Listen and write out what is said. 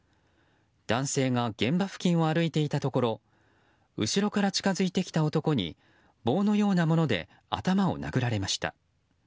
男性が現場付近を歩いていたところ後ろから近付いてきた男に棒のようなもので頭を殴られました。